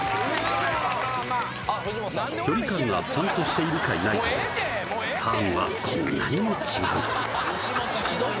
距離感がちゃんとしているかいないかでターンはこんなにも違う藤本さん